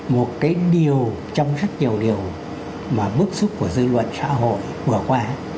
một cái điều trong rất nhiều điều mà bước xuất của dư luận xã hội vừa qua